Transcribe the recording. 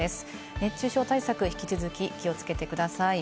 熱中症対策、引き続き気をつけてください。